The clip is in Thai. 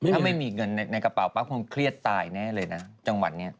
ถ้าไม่มีเงินในกระเป๋าปั๊บคงเครียดตายแน่เลยนะจังหวัดนี้